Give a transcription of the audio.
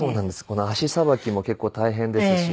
この足さばきも結構大変ですし。